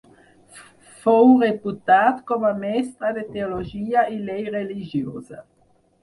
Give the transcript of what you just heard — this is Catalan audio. Fou reputat com a mestre de teologia i llei religiosa.